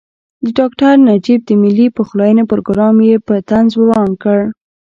د ډاکټر نجیب د ملي پخلاینې پروګرام یې په طنز وران کړ.